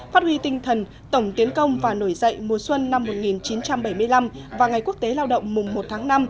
phát huy tinh thần tổng tiến công và nổi dậy mùa xuân năm một nghìn chín trăm bảy mươi năm và ngày quốc tế lao động mùng một tháng năm